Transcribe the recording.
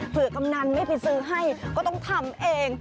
กำนันไม่ไปซื้อให้ก็ต้องทำเอง